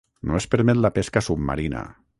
No es permet la pesca submarina.